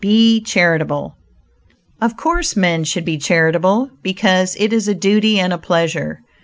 BE CHARITABLE Of course men should be charitable, because it is a duty and a pleasure.